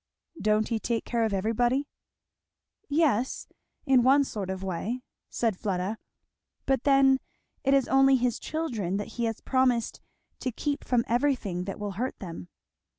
"Don't he take care of everybody?" "Yes in one sort of way," said Fleda; "but then it is only his children that he has promised to keep from everything that will hurt them."